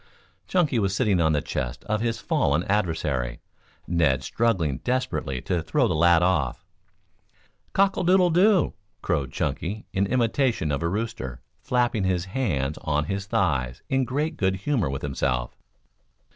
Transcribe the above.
Chunky was sitting on the chest of his fallen adversary, Ned struggling desperately to throw the lad off. "Cock a doodle doo!" crowed Chunky, in imitation of a rooster, flapping his hands on his thighs, in great good humor with himself.